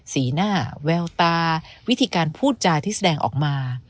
สีหน้าแววตาวิธีการพูดจาที่แสดงออกมา